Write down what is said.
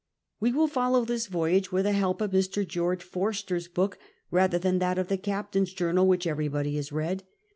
AVc will follow this voyage with the help of Mr. George Forster's book rather than that of the captain's journal, which everybody has read.